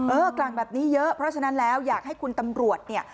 กลางแบบนี้เยอะเพราะฉะนั้นแล้วอยากให้คุณตำรวจเนี่ย